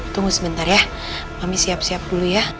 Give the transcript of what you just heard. tunggu sebentar ya kami siap siap dulu ya